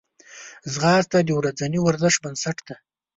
ځغاسته د ورځني ورزش بنسټ دی